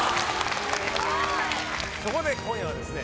そこで今夜はですね